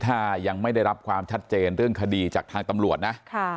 ถ้ายังไม่ได้รับความชัดเจนเรื่องคดีจากทางตำรวจนะ